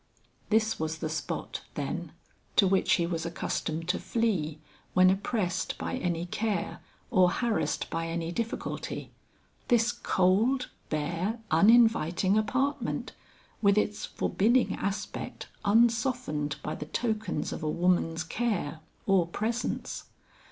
This was the spot, then, to which he was accustomed to flee when oppressed by any care or harassed by any difficulty; this cold, bare, uninviting apartment with its forbidding aspect unsoftened by the tokens of a woman's care or presence!